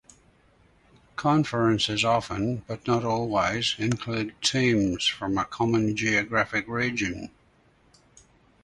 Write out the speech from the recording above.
Conferences often, but not always, include teams from a common geographic region.